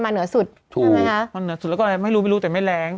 เหนือสุดถูกใช่ไหมคะมาเหนือสุดแล้วก็อะไรไม่รู้ไม่รู้แต่ไม่แรง